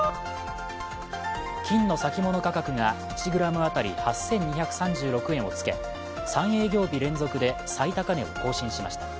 金の先物価格が１ｇ当たり８２３６円をつけ３営業日連続で最高値を更新しました。